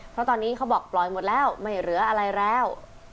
เพราะตอนนี้เขาบอกปล่อยหมดแล้วไม่เหลืออะไรแล้ว